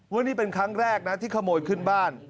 ว่านี่เป็นครั้งแรกนะที่ขโมยขึ้นบ้าน